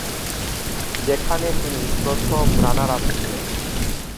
যেখানে তিনি প্রথম রানার আপ ছিলেন।